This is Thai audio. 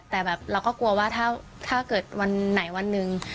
แต่แบบเราก็กลัวว่าถ้าเกิดวันไหนวันหนึ่ง